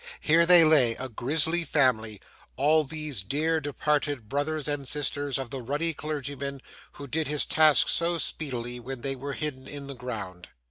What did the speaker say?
Here they lay, a grisly family, all these dear departed brothers and sisters of the ruddy clergyman who did his task so speedily when they were hidden in the ground!